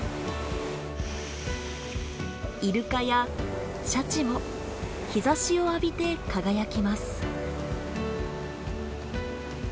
イルカやシャチも日差しを浴びて輝きます。